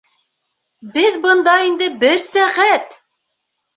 Беҙ бында инде бер сәғәт!